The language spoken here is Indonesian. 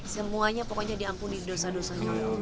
semuanya pokoknya diampuni dosa dosa